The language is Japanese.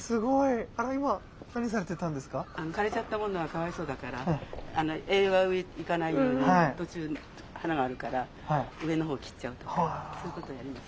枯れちゃったものはかわいそうだから栄養が上行かないように途中に花があるから上の方切っちゃうとかそういうことやります。